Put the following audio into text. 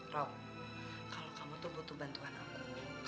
rob kalau kamu tuh butuh bantuan aku